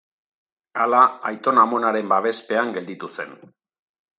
Hala, aitona-amonaren babespean gelditu zen.